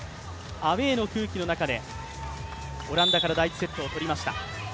アウェーの空気の中でオランダから第１セットをとりました。